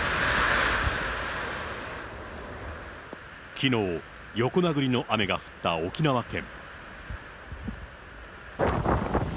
きのう、横殴りの雨が降った沖縄県。